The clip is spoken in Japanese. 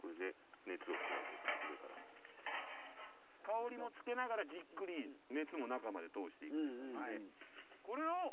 香りもつけながらじっくり熱も中まで通していくっていうことですね。